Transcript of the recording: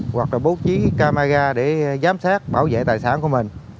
hoặc là bố trí camera để giám sát bảo vệ tài sản của mình